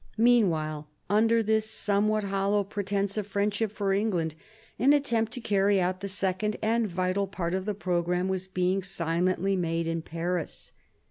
Meanwhile, under this somewhat hollow pretence of friendship for England, an attempt to carry out the second and vital part of the programme was being silently made in Paris.